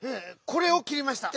「これ」をきりました。